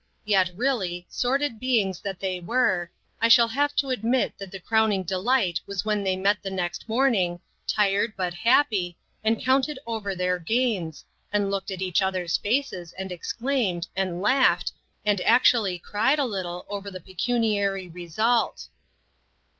Yet really, sordid beings that they were, I shall have to ad mit that the crowning delight was when they met the next morning, tired, but happy, and counted over their gains, and looked in each other's faces, and exclaimed, and laughed, and actually cried a little over the pecuniary result.